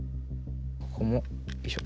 ここもよいしょ。